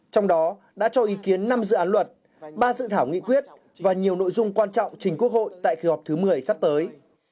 trong đó đã cho ý kiến năm dự án luật ba dự thảo nghị quyết và nhiều nội dung quan trọng trình quốc hội tại kỳ họp thứ một mươi sắp tới